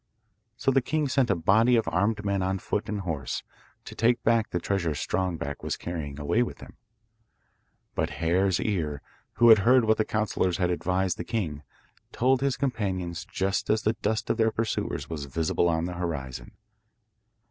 So the king sent a body of armed men on foot and horse, to take back the treasure Strong Back was carrying away with him. But Hare's ear, who had heard what the counsellors had advised the king, told his companions just as the dust of their pursuers was visible on the horizon.